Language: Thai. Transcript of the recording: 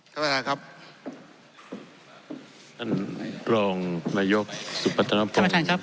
ท่านประธานครับท่านรองระยกสุพัฒนภพท่านประธานครับ